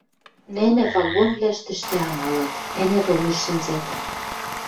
— Нӹнӹ вагонвлӓштӹштӹ амалат, ӓнят, омешт шӹнзӓт.